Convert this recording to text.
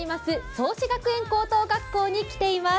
創志学園高等学校に来ています。